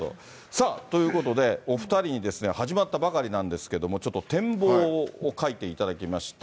さあ、ということで、お２人に、始まったばかりなんですけども、ちょっと展望を書いていただきました。